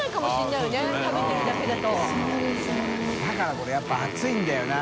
これやっぱ熱いんだよな。